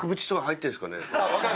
分かる。